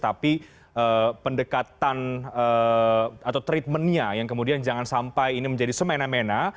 tapi pendekatan atau treatmentnya yang kemudian jangan sampai ini menjadi semena mena